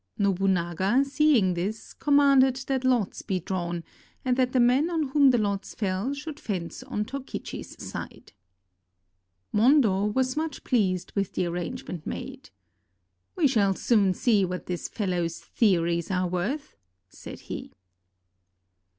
Nobunaga, seeing this, commanded that lots 334 LONG SPEARS OR SHORT SPEARS be drawn, and that the men on whom the lots fell should fence on Tokichi's side. Mondo was much pleased with the arrangement made. "We shall soon see what this fellow's theories are worth," said he.